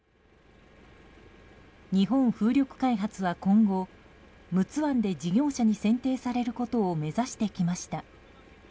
日本風力開発は今後、陸奥湾で事業者に選定されることを目指してきました。